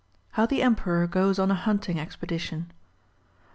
How THE Emperor goes on .\ Hunting Expedition.